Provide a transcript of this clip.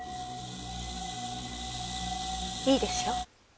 いいですよ。